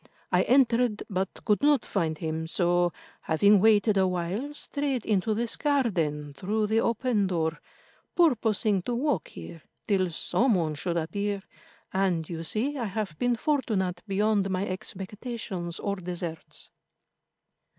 I entered, but could not find him, so, having waited a while, strayed into this garden through the open door, purposing to walk here till some one should appear, and, you see, I have been fortunate beyond my expectations or deserts."